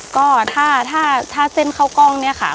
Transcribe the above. ก็ถ้าเซ่นข้าวกล้องเนี่ยค่ะ